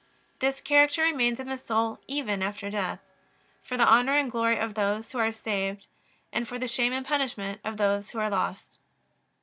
This character remains in the soul even after death: for the honor and glory of those who are saved; for the shame and punishment of those who are lost.